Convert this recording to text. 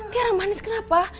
tiara manis kenapa